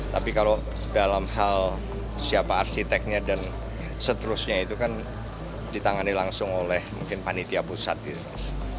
tapi kalau dalam hal siapa arsiteknya dan seterusnya itu kan ditangani langsung oleh mungkin panitia pusat gitu mas